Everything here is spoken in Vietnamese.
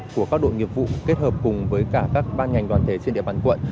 của các đội nghiệp vụ kết hợp cùng với cả các ban ngành đoàn thể trên địa bàn quận